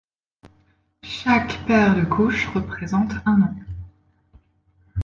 Chaque paire de couches représente un an.